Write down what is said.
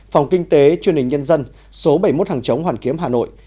phòng kinh tế chương trình nhân dân số bảy mươi một hàng chống hoàn kiếm hà nội